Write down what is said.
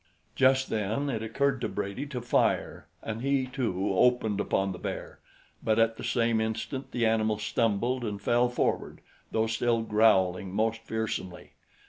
Just then it occurred to Brady to fire and he, too, opened upon the bear, but at the same instant the animal stumbled and fell forward, though still growling most fearsomely.